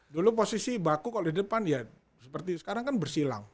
dulu posisi baku kalau di depan ya seperti sekarang kan bersilang